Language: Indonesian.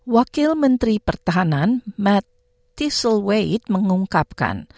wakil menteri pertahanan matt tissel waite mengungkapkan